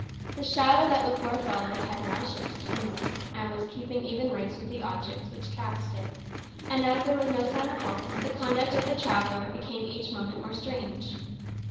The shadow that before followed had now shifted to the north, and was keeping even race with the objects which cast it; and as there was no sign of halting, the conduct of the traveller became each moment more strange.